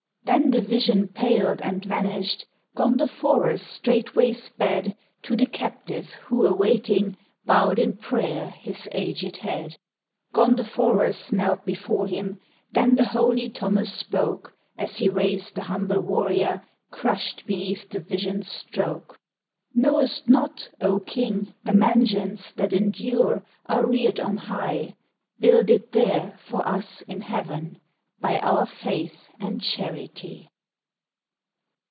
Then the vision paled and vanished; Gondoforus straightway sped To the captive, who awaiting, Bowed in prayer his aged head. Gondoforus knelt before him; Then the holy Thomas spoke, As he raised the humble warrior Crushed beneath the vision's stroke "Knowest not, O King, the mansions That endure, are reared on high? Builded there, for us, in Heaven By our faith and charity."